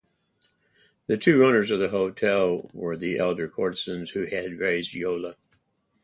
The two owners of the hotel were the elder courtesans who had raised Yola.